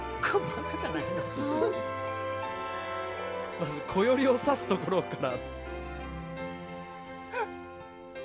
まずこよりをさすところから。